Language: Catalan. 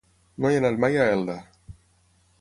No he anat mai a Elda.